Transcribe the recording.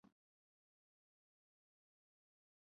国际自然保护联盟将其列为数据缺乏。